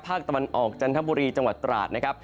ภาคตะวันออกจันทบุรีจังหวัดตราดนะครับ